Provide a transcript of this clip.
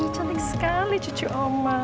cantik sekali cucu oma